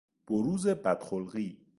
بروز بد خلقی